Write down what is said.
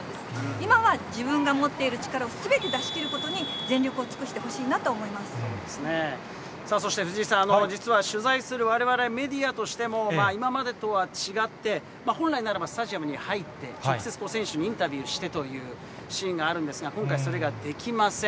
今は自分が持っている力をすべて出し切ることに全力を尽くしてほさあそして、藤井さん、実は取材するわれわれメディアとしても今までとは違って、本来ならばスタジアムに入って、直接選手にインタビューしてというシーンがあるんですが、今回、それができません。